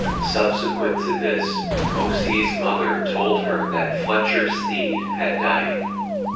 Subsequent to this, Ocey's mother told her that Fletcher Snead had died.